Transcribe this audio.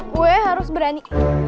gue harus berani